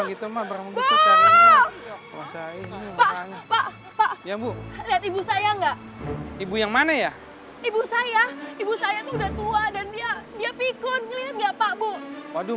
ibu yang mana ya ibu saya ibu saya udah tua dan dia dia pikun lihat nggak pak bu waduh